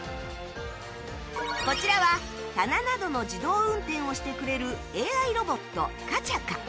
こちらは棚などの自動運転をしてくれる ＡＩ ロボットカチャカ